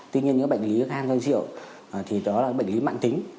tuy nhiên những bệnh lý gan do rượu thì đó là bệnh lý mạng tính